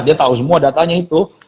dia tahu semua datanya itu